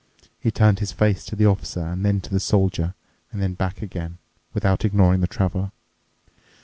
He turned his face to the Officer and then to the Soldier and then back again, without ignoring the Traveler.